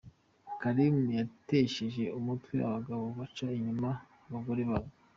Karin yatesheje umutwe abagabo baca inyuma abagore babo.